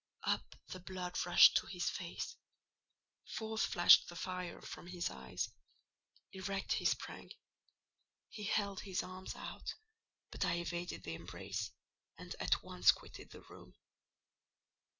Up the blood rushed to his face; forth flashed the fire from his eyes; erect he sprang; he held his arms out; but I evaded the embrace, and at once quitted the room.